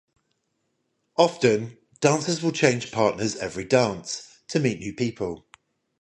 Often dancers will change partners every dance to meet new people.